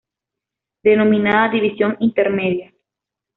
Denominada "División Intermedia".